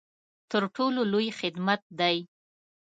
تر ټولو لوی خدمت دی.